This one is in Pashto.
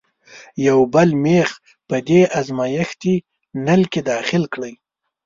یو بل میخ په دې ازمیښتي نل کې داخل کړئ.